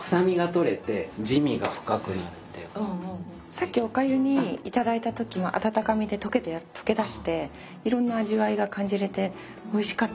さっきおかゆにいただいた時温かみで溶け出していろんな味わいが感じれておいしかった。